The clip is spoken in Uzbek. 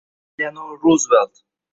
Eleanor Ruzvel`t